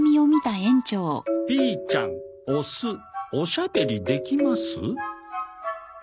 「ピーちゃんオスおしゃべりできます」。